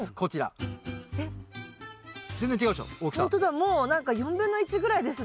もう何か４分の１ぐらいですね。